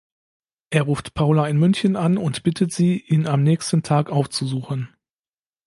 Er ruft Paula in München an und bittet sie, ihn am nächsten Tag aufzusuchen.